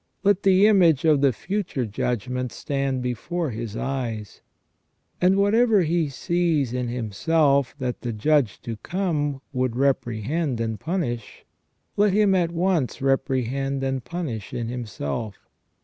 Let the image of the future judgment stand before his eyes, and whatever he sees in himself that the judge to come would reprehend and punish, let him at once reprehend and punish in himself.